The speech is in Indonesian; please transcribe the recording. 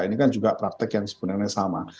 ini kan juga praktek yang sebenarnya sama